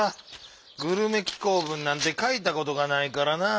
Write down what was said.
グルメ紀行文なんてかいたことがないからなぁ。